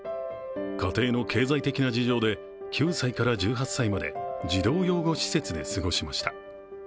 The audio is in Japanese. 家庭の経済的な事情で９歳から１８歳まで児童養護施設で過ごしました。